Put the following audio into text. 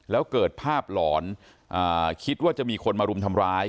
แล้วเกิดภาพหลอนคิดว่าจะมีคนมารุมทำร้าย